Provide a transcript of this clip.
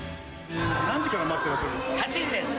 何時から待ってらっしゃるん８時です。